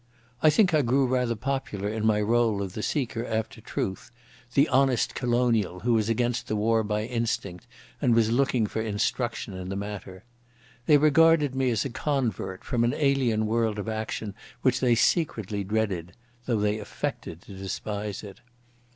I think I grew rather popular in my role of the seeker after truth, the honest colonial who was against the war by instinct and was looking for instruction in the matter. They regarded me as a convert from an alien world of action which they secretly dreaded, though they affected to despise it.